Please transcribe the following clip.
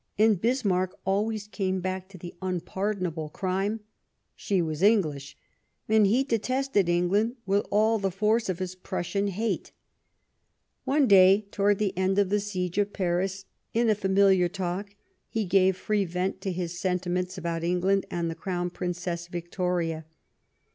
And Bis marck always came back to the unpardonable crime : she was English ; and he detested England with all the force of his Prussian hate. One day, towards the end of the siege of Paris, in a familiar talk, he gave free vent to his sentiments about England and the Crow^n Princess Victoria.